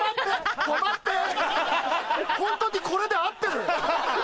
ホントにこれで合ってる？